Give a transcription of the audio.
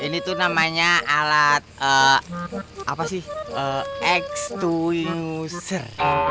ini tuh namanya alat eh apa sih eh ex twin user